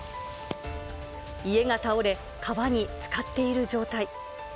家が倒れ、川につかっている状態。